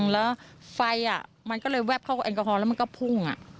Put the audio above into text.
แล้วไฟมันก็เลยแวบเข้ากับแอลกอฮอลแล้วมันก็พุ่ง